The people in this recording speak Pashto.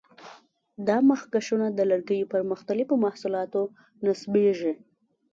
دا مخکشونه د لرګیو پر مختلفو محصولاتو نصبېږي.